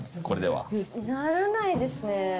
これでは。ならないですね。